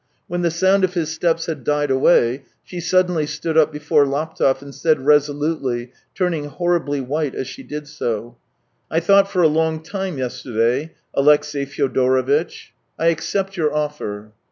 When the sound of his steps had died away, she suddenly stood up be fore Laptev and said resolutely, turning horribly white as she did so :" I thought for a long time yesterday, Alexey Fyodorovitch. ... I accept your offer."